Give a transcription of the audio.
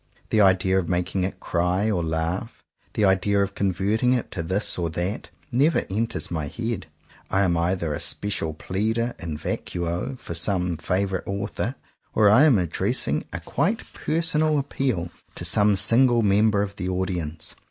The idea of making it cry or laugh, the idea of converting it to this or that, never enters my head. I am either a special pleader *'in vacuo" for some favourite author, or I am addressing a quite personal 135 CONFESSIONS OF TWO BROTHERS appeal to some single member of the audience.